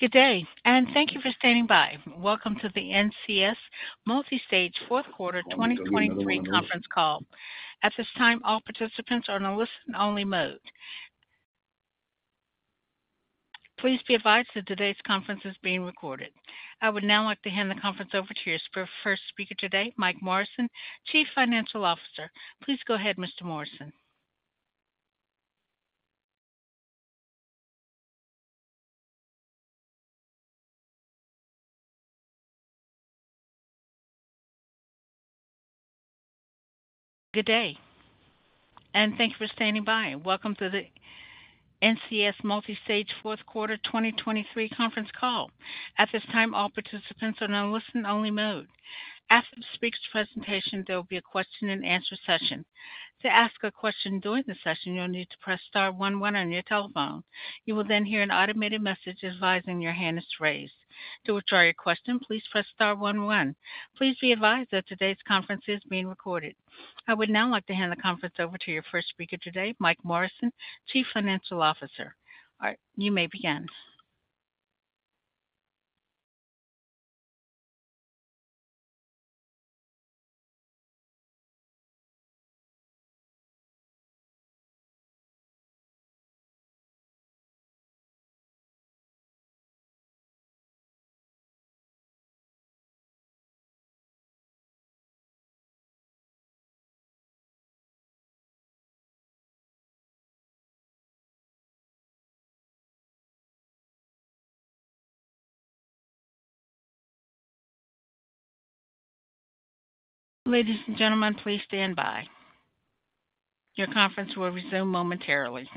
Good day, and thank you for standing by. Welcome to the NCS Multistage Fourth Quarter 2023 Conference Call. At this time, all participants are on a listen-only mode. Please be advised that today's conference is being recorded. I would now like to hand the conference over to your first speaker today, Mike Morrison, Chief Financial Officer. Please go ahead, Mr. Morrison. Good day, and thank you for standing by. Welcome to the NCS Multistage Fourth Quarter 2023 Conference Call. At this time, all participants are in a listen-only mode. After the speaker's presentation, there will be a question-and-answer session. To ask a question during the session, you'll need to press star one one on your telephone. You will then hear an automated message advising your hand is raised. To withdraw your question, please press star one one. Please be advised that today's conference is being recorded. I would now like to hand the conference over to your first speaker today, Mike Morrison, Chief Financial Officer. All right, you may begin. Ladies and gentlemen, please stand by. Your conference will resume momentarily.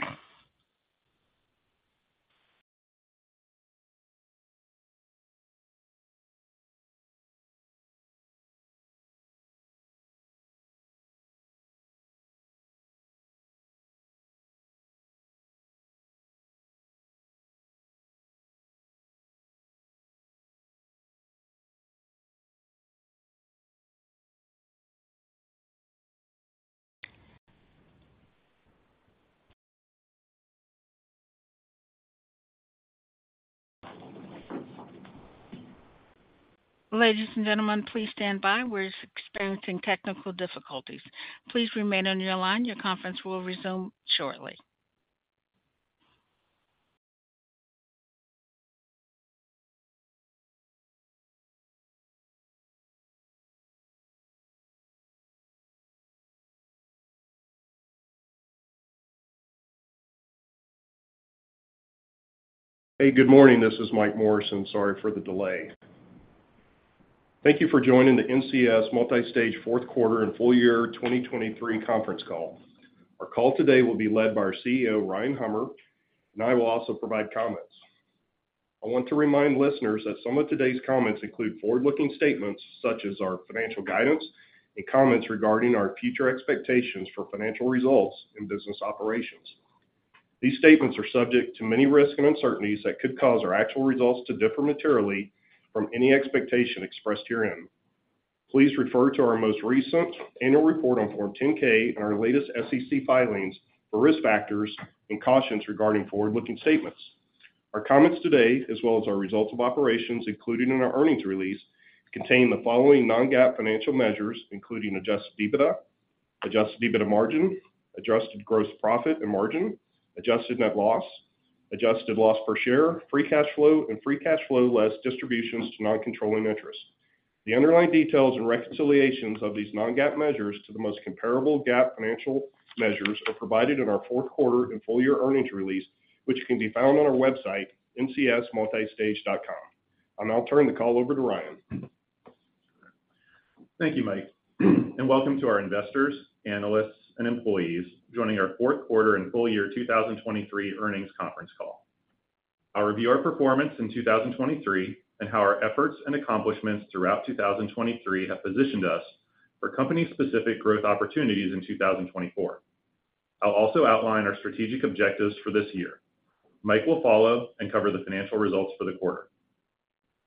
Ladies and gentlemen, please stand by. We're experiencing technical difficulties. Please remain on your line. Your conference will resume shortly. Hey, good morning. This is Mike Morrison. Sorry for the delay. Thank you for joining the NCS Multistage Fourth Quarter and Full Year 2023 Conference Call. Our call today will be led by our CEO, Ryan Hummer, and I will also provide comments. I want to remind listeners that some of today's comments include forward looking statements, such as our financial guidance and comments regarding our future expectations for financial results and business operations. These statements are subject to many risks and uncertainties that could cause our actual results to differ materially from any expectation expressed herein. Please refer to our most recent annual report on Form 10-K and our latest SEC filings for risk factors and cautions regarding forward-looking statements. Our comments today, as well as our results of operations, including in our earnings release, contain the following non-GAAP financial measures, including Adjusted EBITDA, Adjusted EBITDA margin, adjusted gross profit and margin, adjusted net loss, adjusted loss per share, free cash flow, and free cash flow, less distributions to non-controlling interests. The underlying details and reconciliations of these non-GAAP measures to the most comparable GAAP financial measures are provided in our fourth quarter and full-year earnings release, which can be found on our website, ncsmultistage.com. I'll now turn the call over to Ryan. Thank you, Mike, and welcome to our investors, analysts, and employees joining our Fourth Quarter and Full Year 2023 Earnings Conference Call. I'll review our performance in 2023 and how our efforts and accomplishments throughout 2023 have positioned us for company-specific growth opportunities in 2024. I'll also outline our strategic objectives for this year. Mike will follow and cover the financial results for the quarter.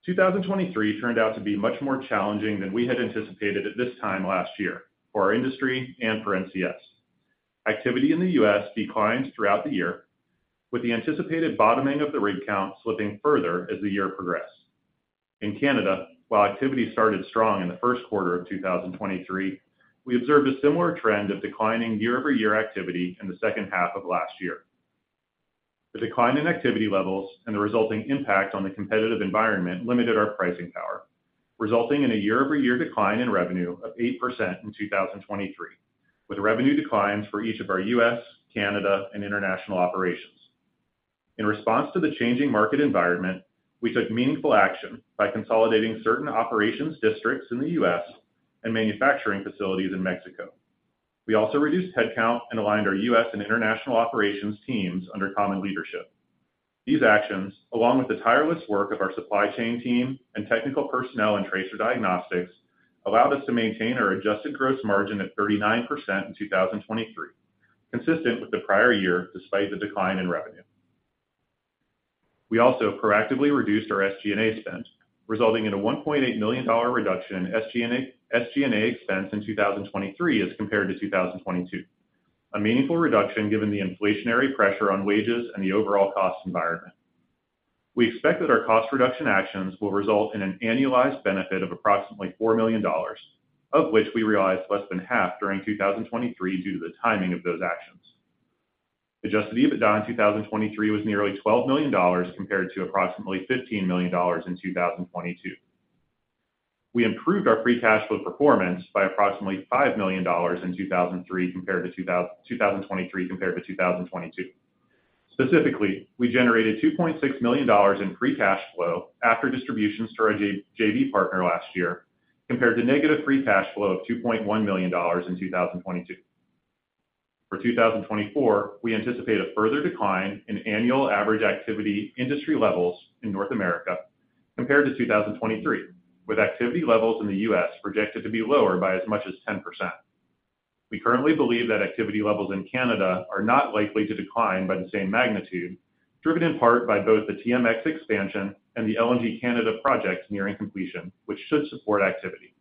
2023 turned out to be much more challenging than we had anticipated at this time last year for our industry and for NCS. Activity in the U.S. declined throughout the year, with the anticipated bottoming of the rig count slipping further as the year progressed. In Canada, while activity started strong in the first quarter of 2023, we observed a similar trend of declining year-over-year activity in the second half of last year. The decline in activity levels and the resulting impact on the competitive environment limited our pricing power, resulting in a year-over-year decline in revenue of 8% in 2023, with revenue declines for each of our U.S., Canada, and international operations. In response to the changing market environment, we took meaningful action by consolidating certain operations districts in the U.S. and manufacturing facilities in Mexico. We also reduced headcount and aligned our U.S. and international operations teams under common leadership. These actions, along with the tireless work of our supply chain team and technical personnel in tracer diagnostics, allowed us to maintain our adjusted gross margin at 39% in 2023, consistent with the prior year, despite the decline in revenue. We also proactively reduced our SG&A expense, resulting in a $1.8 million reduction in SG&A, SG&A expense in 2023 as compared to 2022. A meaningful reduction given the inflationary pressure on wages and the overall cost environment. We expect that our cost reduction actions will result in an annualized benefit of approximately $4 million, of which we realized less than half during 2023 due to the timing of those actions. Adjusted EBITDA in 2023 was nearly $12 million, compared to approximately $15 million in 2022. We improved our free cash flow performance by approximately $5 million in 2023, compared to 2022. Specifically, we generated $2.6 million in free cash flow after distributions to our JV, JV partner last year, compared to negative free cash flow of $2.1 million in 2022. For 2024, we anticipate a further decline in annual average activity industry levels in North America compared to 2023, with activity levels in the U.S. projected to be lower by as much as 10%. We currently believe that activity levels in Canada are not likely to decline by the same magnitude, driven in part by both the TMX expansion and the LNG Canada projects nearing completion, which should support activity.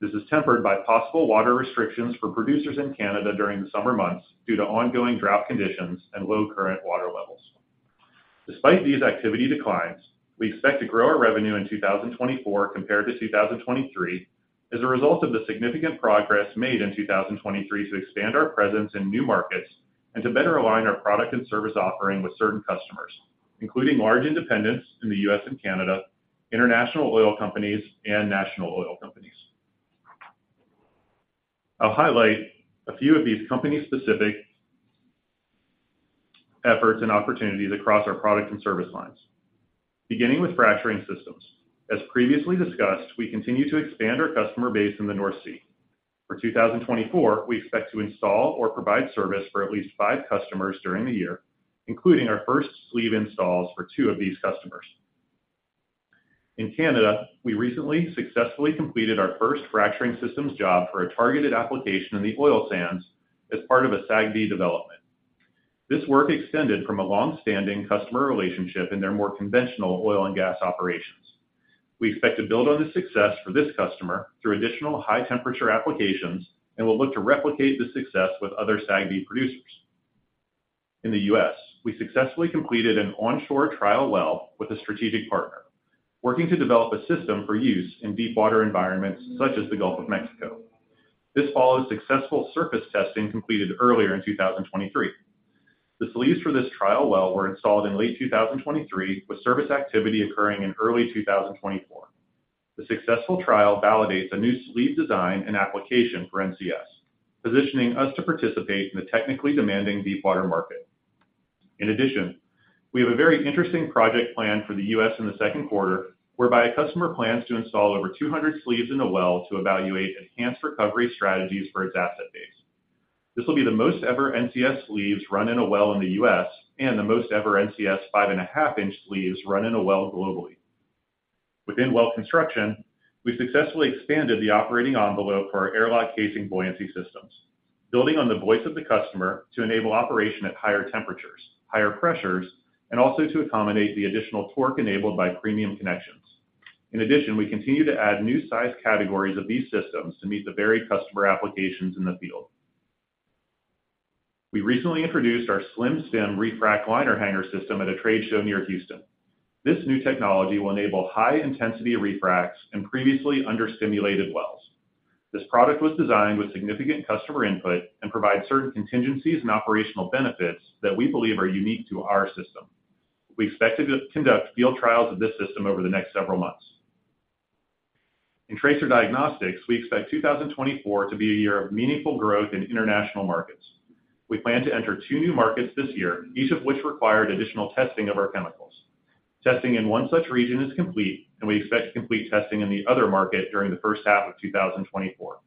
This is tempered by possible water restrictions for producers in Canada during the summer months due to ongoing drought conditions and low current water levels. Despite these activity declines, we expect to grow our revenue in 2024 compared to 2023, as a result of the significant progress made in 2023 to expand our presence in new markets and to better align our product and service offering with certain customers, including large independents in the U.S. and Canada, international oil companies, and national oil companies. I'll highlight a few of these company specific efforts and opportunities across our product and service lines. Beginning with fracturing systems. As previously discussed, we continue to expand our customer base in the North Sea. For 2024, we expect to install or provide service for at least five customers during the year, including our first sleeve installs for two of these customers. In Canada, we recently successfully completed our first fracturing systems job for a targeted application in the oil sands as part of a SAGD development. This work extended from a long-standing customer relationship in their more conventional oil and gas operations. We expect to build on the success for this customer through additional high-temperature applications, and we'll look to replicate the success with other SAGD producers. In the U.S., we successfully completed an onshore trial well with a strategic partner, working to develop a system for use in deepwater environments such as the Gulf of Mexico. This follows successful surface testing completed earlier in 2023. The sleeves for this trial well were installed in late 2023, with service activity occurring in early 2024. The successful trial validates a new sleeve design and application for NCS, positioning us to participate in the technically demanding deepwater market. In addition, we have a very interesting project planned for the U.S. in the second quarter, whereby a customer plans to install over 200 sleeves in a well to evaluate enhanced recovery strategies for its asset base. This will be the most ever NCS sleeves run in a well in the U.S. and the most ever NCS 5.5-inch sleeves run in a well globally. Within well construction, we successfully expanded the operating envelope for our AirLock casing buoyancy systems, building on the voice of the customer to enable operation at higher temperatures, higher pressures, and also to accommodate the additional torque enabled by premium connections. In addition, we continue to add new size categories of these systems to meet the varied customer applications in the field. We recently introduced our SlimStim Refrac Liner Hanger System at a trade show near Houston. This new technology will enable high-intensity refracs in previously understimulated wells. This product was designed with significant customer input and provides certain contingencies and operational benefits that we believe are unique to our system. We expect to conduct field trials of this system over the next several months. In tracer diagnostics, we expect 2024 to be a year of meaningful growth in international markets. We plan to enter two new markets this year, each of which required additional testing of our chemicals. Testing in one such region is complete, and we expect to complete testing in the other market during the first half of 2024.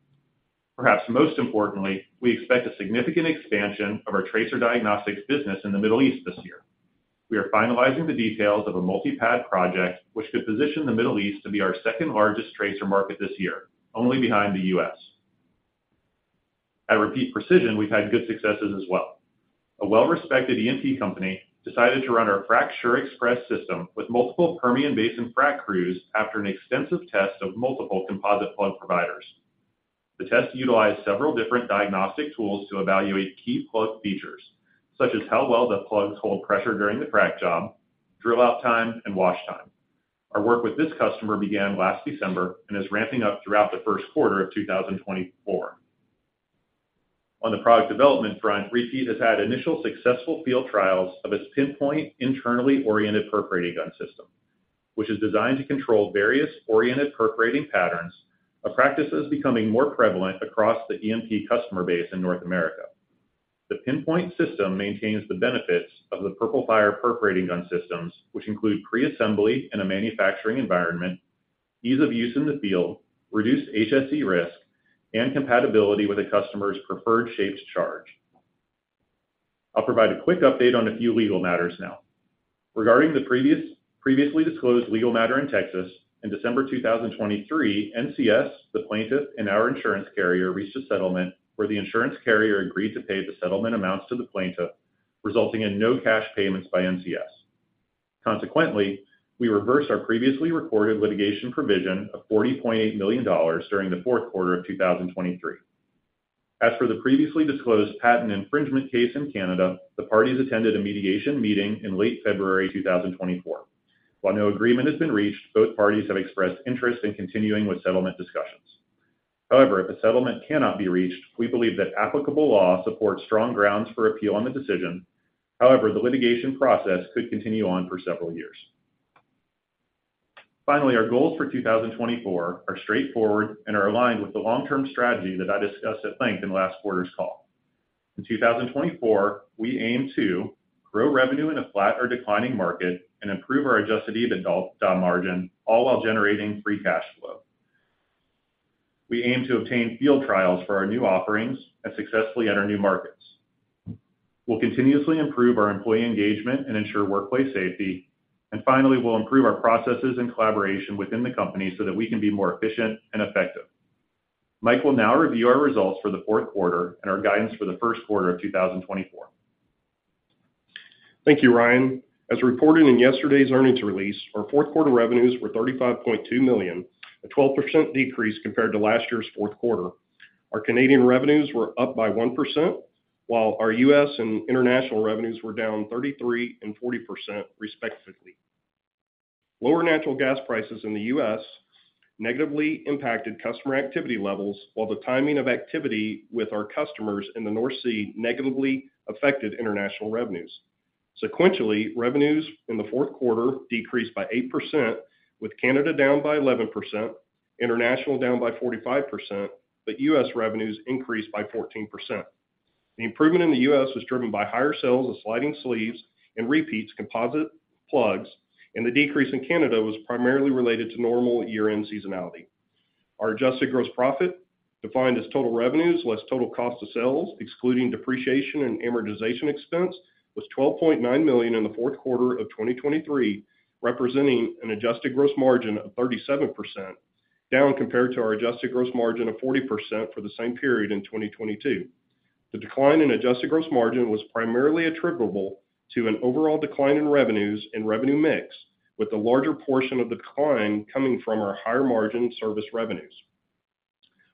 Perhaps most importantly, we expect a significant expansion of our tracer diagnostics business in the Middle East this year. We are finalizing the details of a multi-pad project, which could position the Middle East to be our second-largest tracer market this year, only behind the U.S. At Repeat Precision, we've had good successes as well. A well-respected E&P company decided to run our FracSure Express system with multiple Permian Basin frac crews after an extensive test of multiple composite plug providers. The test utilized several different diagnostic tools to evaluate key plug features, such as how well the plugs hold pressure during the frac job, drill out time, and wash time. Our work with this customer began last December and is ramping up throughout the first quarter of 2024. On the product development front, Repeat has had initial successful field trials of its PinPoint internally oriented perforating gun system, which is designed to control various oriented perforating patterns, a practice that's becoming more prevalent across the E&P customer base in North America. The PinPoint system maintains the benefits of the PurpleFire perforating gun systems, which include pre-assembly in a manufacturing environment, ease of use in the field, reduced HSE risk, and compatibility with a customer's preferred shaped charge. I'll provide a quick update on a few legal matters now. Regarding the previously disclosed legal matter in Texas, in December 2023, NCS, the plaintiff, and our insurance carrier reached a settlement where the insurance carrier agreed to pay the settlement amounts to the plaintiff, resulting in no cash payments by NCS. Consequently, we reversed our previously recorded litigation provision of $40.8 million during the fourth quarter of 2023. As for the previously disclosed patent infringement case in Canada, the parties attended a mediation meeting in late February 2024. While no agreement has been reached, both parties have expressed interest in continuing with settlement discussions. However, if a settlement cannot be reached, we believe that applicable law supports strong grounds for appeal on the decision. However, the litigation process could continue on for several years. Finally, our goals for 2024 are straightforward and are aligned with the long term strategy that I discussed at length in last quarter's call. In 2024, we aim to grow revenue in a flat or declining market and improve our Adjusted EBITDA margin, all while generating free cash flow. We aim to obtain field trials for our new offerings and successfully enter new markets. We'll continuously improve our employee engagement and ensure workplace safety. And finally, we'll improve our processes and collaboration within the company so that we can be more efficient and effective. Mike will now review our results for the fourth quarter and our guidance for the first quarter of 2024. Thank you, Ryan. As reported in yesterday's earnings release, our fourth quarter revenues were $35.2 million, a 12% decrease compared to last year's fourth quarter. Our Canadian revenues were up by 1%, while our U.S. and international revenues were down 33% and 40%, respectively. Lower natural gas prices in the U.S. negatively impacted customer activity levels, while the timing of activity with our customers in the North Sea negatively affected international revenues. Sequentially, revenues in the fourth quarter decreased by 8%, with Canada down by 11%, international down by 45%, but US revenues increased by 14%. The improvement in the US was driven by higher sales of sliding sleeves and Repeat's composite plugs, and the decrease in Canada was primarily related to normal year-end seasonality. Our adjusted gross profit, defined as total revenues less total cost of sales, excluding depreciation and amortization expense, was $12.9 million in the fourth quarter of 2023, representing an adjusted gross margin of 37%, down compared to our adjusted gross margin of 40% for the same period in 2022. The decline in adjusted gross margin was primarily attributable to an overall decline in revenues and revenue mix, with the larger portion of the decline coming from our higher margin service revenues.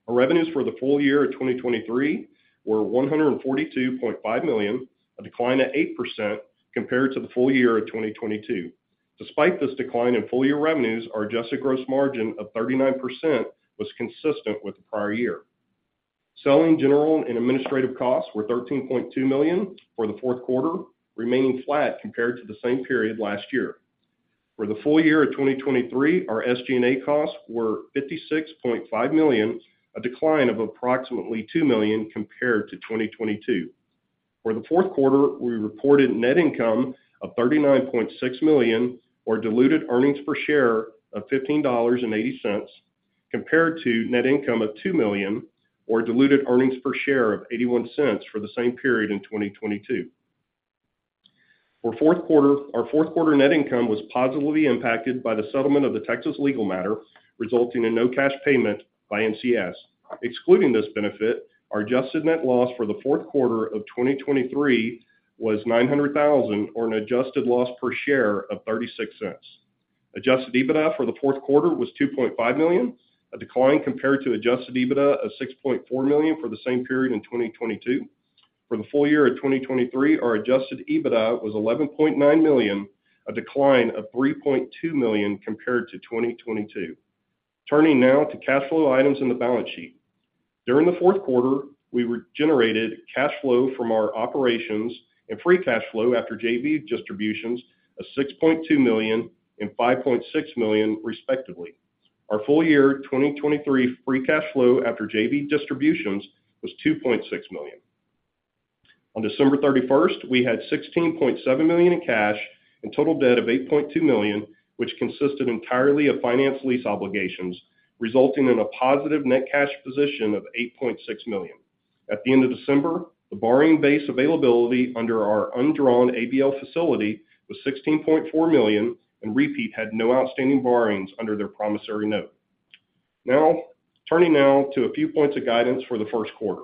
Our revenues for the full year of 2023 were $142.5 million, a decline of 8% compared to the full year of 2022. Despite this decline in full-year revenues, our adjusted gross margin of 39% was consistent with the prior year. Selling, general, and administrative costs were $13.2 million for the fourth quarter, remaining flat compared to the same period last year. For the full year of 2023, our SG&A costs were $56.5 million, a decline of approximately $2 million compared to 2022. For the fourth quarter, we reported net income of $39.6 million, or diluted earnings per share of $15.80, compared to net income of $2 million, or diluted earnings per share of $0.81 for the same period in 2022. For the fourth quarter, our fourth quarter net income was positively impacted by the settlement of the Texas legal matter, resulting in no cash payment by NCS. Excluding this benefit, our adjusted net loss for the fourth quarter of 2023 was $900,000, or an adjusted loss per share of $0.36. Adjusted EBITDA for the fourth quarter was $2.5 million, a decline compared to adjusted EBITDA of $6.4 million for the same period in 2022. For the full year of 2023, our adjusted EBITDA was $11.9 million, a decline of $3.2 million compared to 2022. Turning now to cash flow items in the balance sheet. During the fourth quarter, we generated cash flow from our operations and free cash flow after JV distributions of $6.2 million and $5.6 million, respectively. Our full year 2023 free cash flow after JV distributions was $2.6 million. On December 31, we had $16.7 million in cash and total debt of $8.2 million, which consisted entirely of finance lease obligations, resulting in a positive net cash position of $8.6 million. At the end of December, the borrowing base availability under our undrawn ABL facility was $16.4 million, and Repeat had no outstanding borrowings under their promissory note. Now, turning now to a few points of guidance for the first quarter.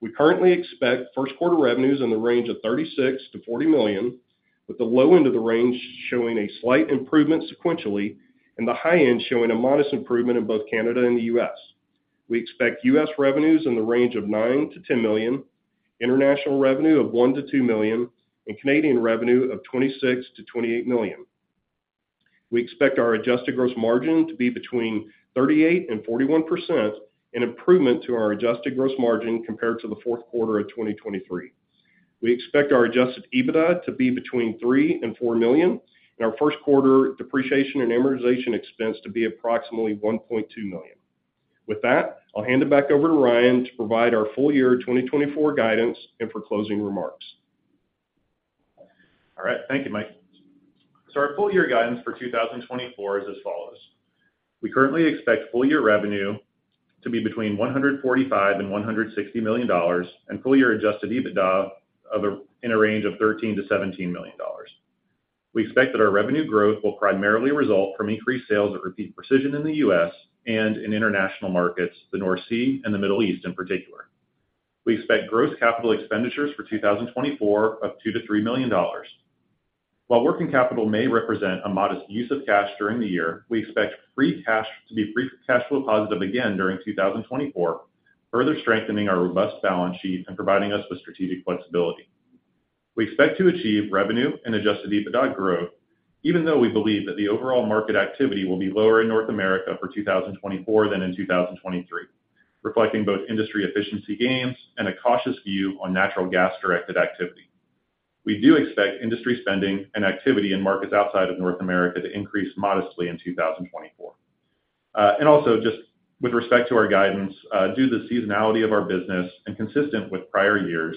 We currently expect first quarter revenues in the range of $36 million-$40 million, with the low end of the range showing a slight improvement sequentially and the high end showing a modest improvement in both Canada and the U.S. We expect U.S. revenues in the range of $9 million-$10 million, international revenue of $1 million-$2 million, and Canadian revenue of $26 million-$28 million. We expect our adjusted gross margin to be between 38% and 41%, an improvement to our adjusted gross margin compared to the fourth quarter of 2023. We expect our Adjusted EBITDA to be between $3 million and $4 million, and our first quarter depreciation and amortization expense to be approximately $1.2 million. With that, I'll hand it back over to Ryan to provide our full year 2024 guidance and for closing remarks. All right. Thank you, Mike. So our full year guidance for 2024 is as follows: We currently expect full-year revenue to be between $145 million and $160 million, and full-year Adjusted EBITDA in a range of $13 million-$17 million. We expect that our revenue growth will primarily result from increased sales of Repeat Precision in the US and in international markets, the North Sea and the Middle East in particular. We expect gross capital expenditures for 2024 of $2 million-$3 million. While working capital may represent a modest use of cash during the year, we expect free cash to be free cash flow positive again during 2024, further strengthening our robust balance sheet and providing us with strategic flexibility. We expect to achieve revenue and Adjusted EBITDA growth, even though we believe that the overall market activity will be lower in North America for 2024 than in 2023, reflecting both industry efficiency gains and a cautious view on natural gas-directed activity. We do expect industry spending and activity in markets outside of North America to increase modestly in 2024. And also just with respect to our guidance, due to the seasonality of our business and consistent with prior years,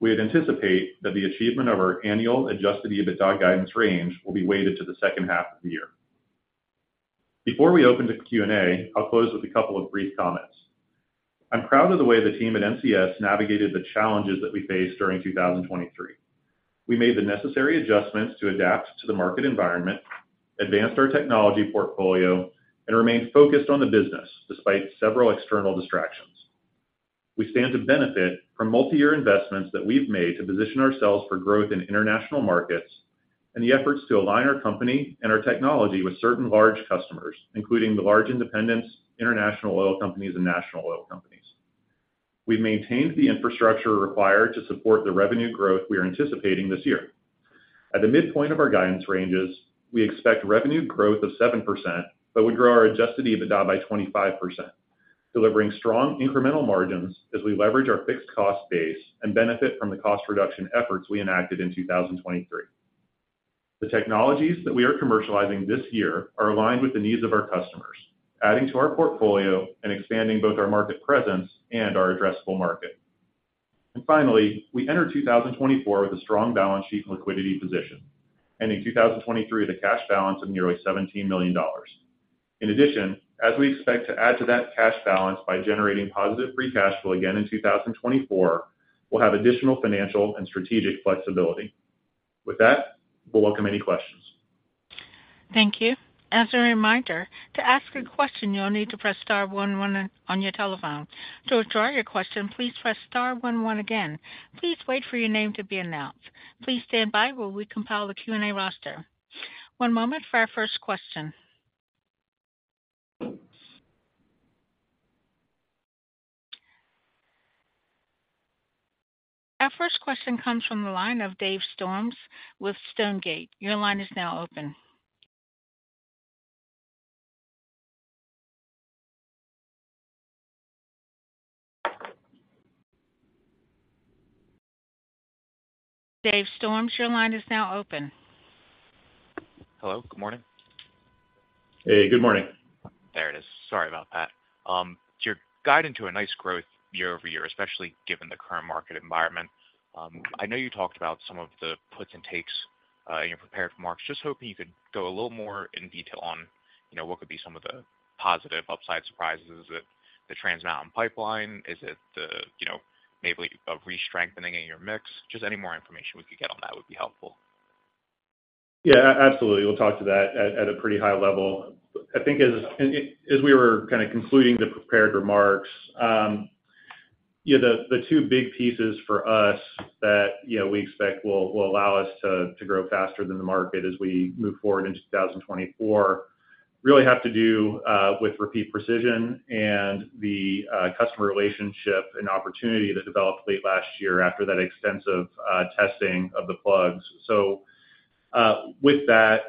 we would anticipate that the achievement of our annual Adjusted EBITDA guidance range will be weighted to the second half of the year. Before we open to Q&A, I'll close with a couple of brief comments. I'm proud of the way the team at NCS navigated the challenges that we faced during 2023. We made the necessary adjustments to adapt to the market environment, advanced our technology portfolio, and remained focused on the business despite several external distractions. We stand to benefit from multi-year investments that we've made to position ourselves for growth in international markets and the efforts to align our company and our technology with certain large customers, including the large independents, international oil companies, and national oil companies. We've maintained the infrastructure required to support the revenue growth we are anticipating this year. At the midpoint of our guidance ranges, we expect revenue growth of 7%, but we grow our Adjusted EBITDA by 25%, delivering strong incremental margins as we leverage our fixed cost base and benefit from the cost reduction efforts we enacted in 2023. The technologies that we are commercializing this year are aligned with the needs of our customers, adding to our portfolio and expanding both our market presence and our addressable market. And finally, we enter 2024 with a strong balance sheet and liquidity position, ending 2023 at a cash balance of nearly $17 million. In addition, as we expect to add to that cash balance by generating positive free cash flow again in 2024, we'll have additional financial and strategic flexibility. With that, we'll welcome any questions. Thank you. As a reminder, to ask a question, you'll need to press star one one on your telephone. To withdraw your question, please press star one one again. Please wait for your name to be announced. Please stand by while we compile the Q&A roster. One moment for our first question. Our first question comes from the line of Dave Storms with Stonegate. Your line is now open. Dave Storms, your line is now open. Hello, good morning. Hey, good morning. There it is. Sorry about that. So you're guiding to a nice growth year over year, especially given the current market environment. I know you talked about some of the puts and takes in your prepared remarks. Just hoping you could go a little more in detail on, you know, what could be some of the positive upside surprises. Is it the Trans Mountain pipeline? Is it the, you know, maybe a restrengthening in your mix? Just any more information we could get on that would be helpful. Yeah, absolutely. We'll talk to that at a pretty high level. I think as we were kind of concluding the prepared remarks, you know, the two big pieces for us that, you know, we expect will allow us to grow faster than the market as we move forward into 2024, really have to do with Repeat Precision and the customer relationship and opportunity that developed late last year after that extensive testing of the plugs. So, with that,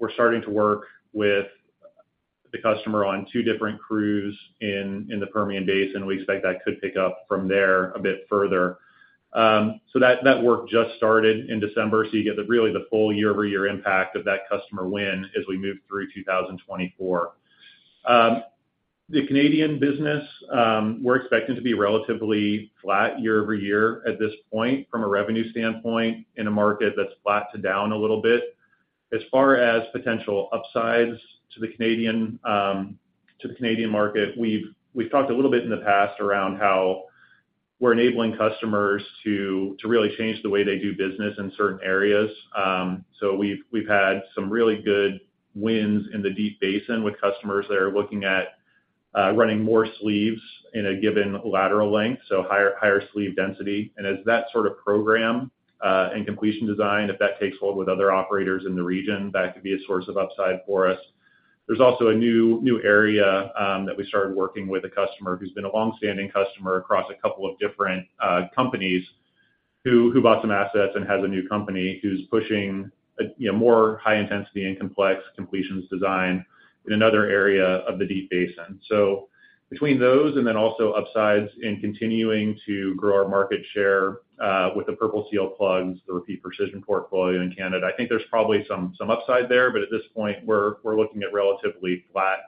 we're starting to work with the customer on two different crews in the Permian Basin. We expect that could pick up from there a bit further. So that work just started in December, so you get the full year-over-year impact of that customer win as we move through 2024. The Canadian business, we're expecting to be relatively flat year over year at this point from a revenue standpoint, in a market that's flat to down a little bit. As far as potential upsides to the Canadian market, we've talked a little bit in the past around how we're enabling customers to really change the way they do business in certain areas. So we've had some really good wins in the Deep Basin with customers that are looking at running more sleeves in a given lateral length, so higher sleeve density. And as that sort of program and completion design, if that takes hold with other operators in the region, that could be a source of upside for us. There's also a new area that we started working with a customer who's been a long-standing customer across a couple of different companies, who bought some assets and has a new company who's pushing, you know, more high intensity and complex completions design in another area of the Deep Basin. So between those and then also upsides in continuing to grow our market share with the PurpleSeal plugs, the Repeat Precision portfolio in Canada, I think there's probably some upside there, but at this point, we're looking at relatively flat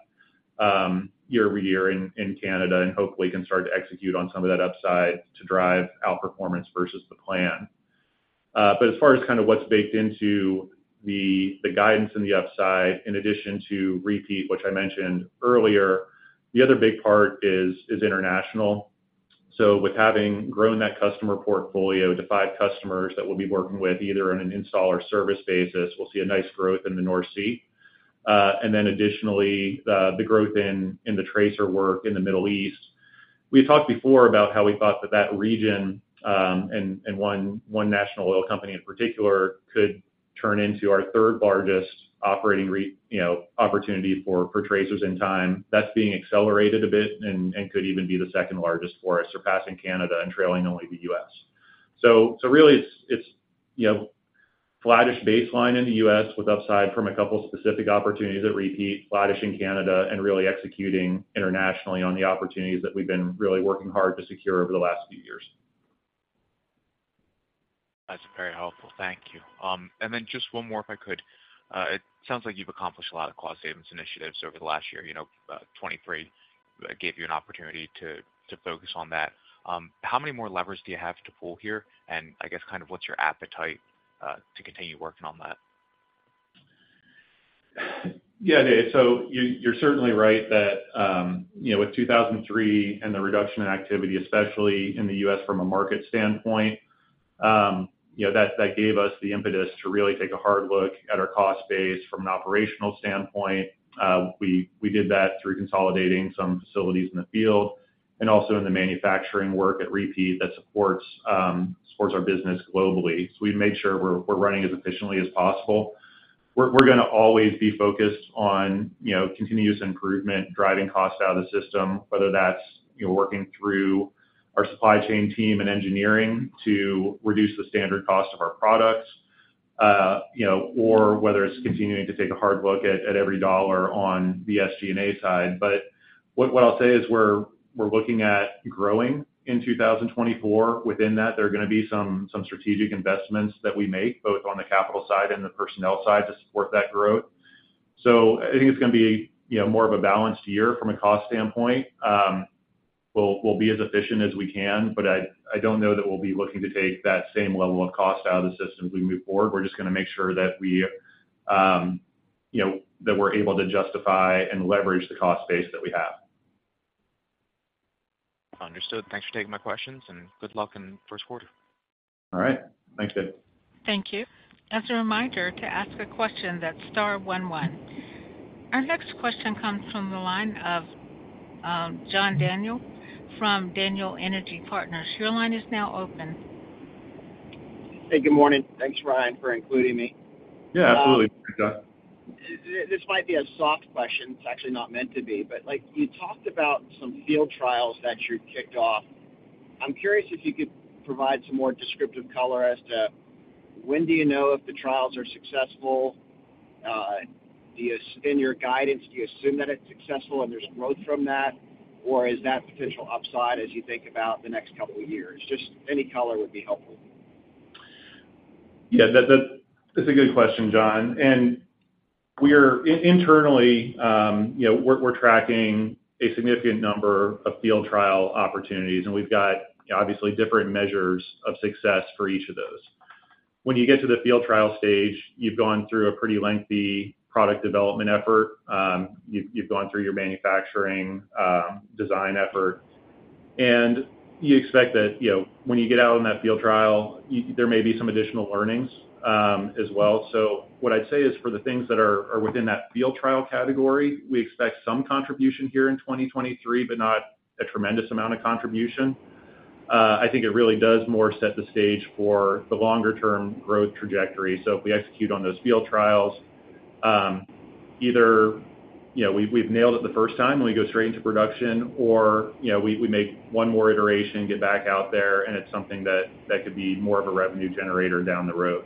year-over-year in Canada, and hopefully can start to execute on some of that upside to drive outperformance versus the plan. As far as kind of what's baked into the guidance and the upside, in addition to Repeat, which I mentioned earlier, the other big part is international. With having grown that customer portfolio to five customers that we'll be working with, either on an install or service basis, we'll see a nice growth in the North Sea, and then additionally, the growth in the tracer work in the Middle East. We had talked before about how we thought that that region and one national oil company in particular could turn into our third largest operating opportunity, you know, for tracers in time. That's being accelerated a bit and could even be the second largest for us, surpassing Canada and trailing only the U.S. So really, it's, you know, flattish baseline in the U.S. with upside from a couple specific opportunities at Repeat, flattish in Canada, and really executing internationally on the opportunities that we've been really working hard to secure over the last few years. That's very helpful. Thank you. And then just one more, if I could. It sounds like you've accomplished a lot of cost savings initiatives over the last year. You know, 2023 gave you an opportunity to focus on that. How many more levers do you have to pull here? And I guess, kind of what's your appetite to continue working on that? Yeah, Dave, so you're certainly right that, you know, with 2003 and the reduction in activity, especially in the U.S. from a market standpoint, you know, that gave us the impetus to really take a hard look at our cost base from an operational standpoint. We did that through consolidating some facilities in the field and also in the manufacturing work at Repeat that supports our business globally. So we've made sure we're running as efficiently as possible. We're gonna always be focused on, you know, continuous improvement, driving costs out of the system, whether that's, you know, working through our supply chain team and engineering to reduce the standard cost of our products, you know, or whether it's continuing to take a hard look at every dollar on the SG&A side. But what I'll say is we're looking at growing in 2024. Within that, there are gonna be some strategic investments that we make, both on the capital side and the personnel side, to support that growth. So I think it's gonna be, you know, more of a balanced year from a cost standpoint. We'll be as efficient as we can, but I don't know that we'll be looking to take that same level of cost out of the system as we move forward. We're just gonna make sure that we, you know, that we're able to justify and leverage the cost base that we have. Understood. Thanks for taking my questions, and good luck in the first quarter. All right. Thanks, Dave. Thank you. As a reminder, to ask a question, that's star one one. Our next question comes from the line of John Daniel from Daniel Energy Partners. Your line is now open. Hey, good morning. Thanks, Ryan, for including me. Yeah, absolutely, John. This might be a soft question. It's actually not meant to be, but like, you talked about some field trials that you'd kicked off. I'm curious if you could provide some more descriptive color as to when do you know if the trials are successful? Do you-- in your guidance, do you assume that it's successful and there's growth from that? Or is that potential upside as you think about the next couple of years? Just any color would be helpful. Yeah, that's a good question, John, and we're internally, you know, we're tracking a significant number of field trial opportunities, and we've got, obviously, different measures of success for each of those. When you get to the field trial stage, you've gone through a pretty lengthy product development effort. You've gone through your manufacturing design effort, and you expect that, you know, when you get out in that field trial, there may be some additional learnings, as well. So what I'd say is, for the things that are within that field trial category, we expect some contribution here in 2023, but not a tremendous amount of contribution. I think it really does more set the stage for the longer-term growth trajectory. So if we execute on those field trials, either, you know, we've nailed it the first time and we go straight into production, or, you know, we make one more iteration, get back out there, and it's something that could be more of a revenue generator down the road.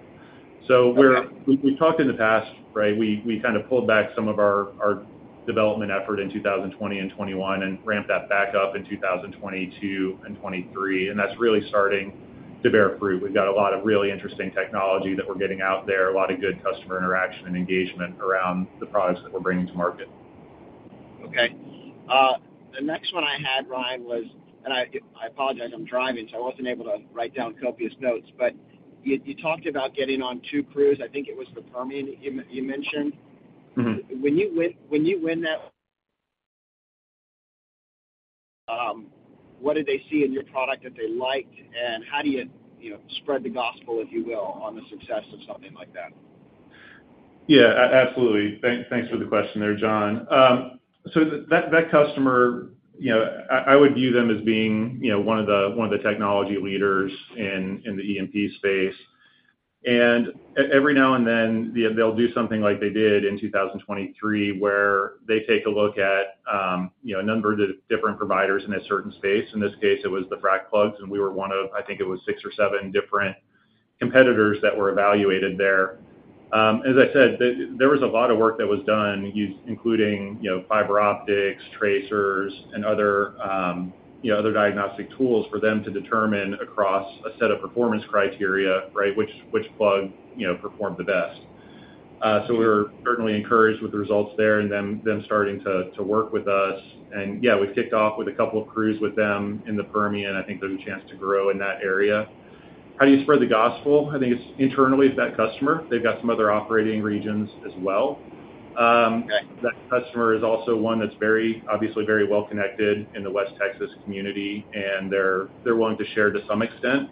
Okay. So we've talked in the past, right? We kind of pulled back some of our development effort in 2020 and 2021 and ramped that back up in 2022 and 2023, and that's really starting to bear fruit. We've got a lot of really interesting technology that we're getting out there, a lot of good customer interaction and engagement around the products that we're bringing to market. Okay. The next one I had, Ryan, was, and I, I apologize, I'm driving, so I wasn't able to write down copious notes. But you, you talked about getting on two crews. I think it was the Permian you, you mentioned. Mm-hmm. When you win, when you win that, what did they see in your product that they liked, and how do you, you know, spread the gospel, if you will, on the success of something like that? Yeah, absolutely. Thanks for the question there, John. So that customer, you know, I would view them as being, you know, one of the technology leaders in the E&P space. And every now and then, they'll do something like they did in 2023, where they take a look at a number of different providers in a certain space. In this case, it was the frac plugs, and we were one of, I think it was six or seven different competitors that were evaluated there. As I said, there was a lot of work that was done, including, you know, fiber optics, tracers, and other diagnostic tools for them to determine across a set of performance criteria, right, which plug, you know, performed the best. So we're certainly encouraged with the results there and them starting to work with us. And yeah, we've kicked off with a couple of crews with them in the Permian. I think there's a chance to grow in that area. How do you spread the gospel? I think it's internally, it's that customer. They've got some other operating regions as well. Okay. -that customer is also one that's very, obviously very well connected in the West Texas community, and they're willing to share to some extent,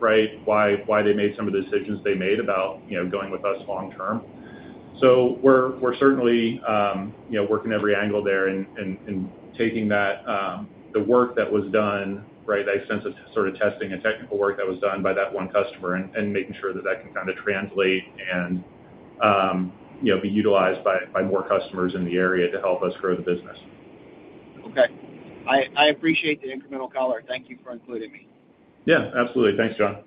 right, why they made some of the decisions they made about, you know, going with us long term. So we're certainly, you know, working every angle there and taking that, the work that was done, right, I sense it's sort of testing and technical work that was done by that one customer and making sure that can kind of translate and, you know, be utilized by more customers in the area to help us grow the business. Okay. I appreciate the incremental color. Thank you for including me. Yeah, absolutely. Thanks, John.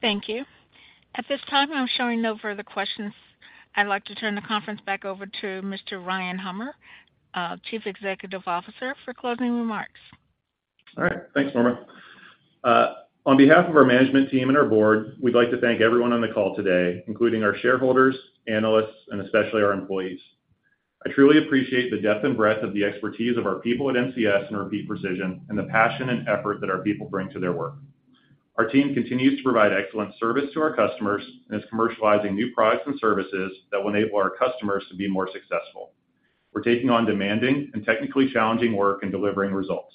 Thank you. At this time, I'm showing no further questions. I'd like to turn the conference back over to Mr. Ryan Hummer, Chief Executive Officer, for closing remarks. All right. Thanks, Norma. On behalf of our management team and our board, we'd like to thank everyone on the call today, including our shareholders, analysts, and especially our employees. I truly appreciate the depth and breadth of the expertise of our people at NCS and Repeat Precision, and the passion and effort that our people bring to their work. Our team continues to provide excellent service to our customers and is commercializing new products and services that will enable our customers to be more successful. We're taking on demanding and technically challenging work and delivering results.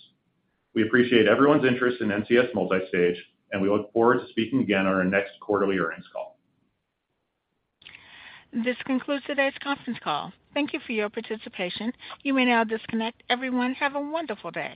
We appreciate everyone's interest in NCS Multistage, and we look forward to speaking again on our next quarterly earnings call. This concludes today's conference call. Thank you for your participation. You may now disconnect. Everyone, have a wonderful day.